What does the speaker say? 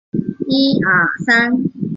滇葎草为桑科葎草属下的一个种。